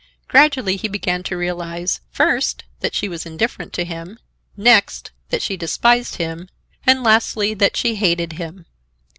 Gradually he began to realize, first, that she was indifferent to him, next, that she despised him, and, lastly, that she hated him.